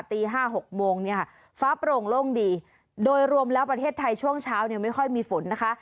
ตีห้าหกโมงเนี่ยฟ้าโปร่งโล่งดีโดยรวมแล้วประเทศไทยช่วงเช้าเนี่ยไม่ค่อยมีฝนนะคะ